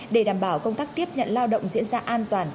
để đảm bảo công tác tiếp nhận lao động diễn ra an toàn